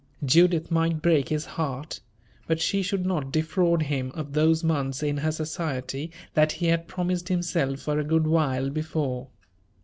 Judith might break his heart, but she should not defraud him of those months in her society that he had promised himself for a good while before.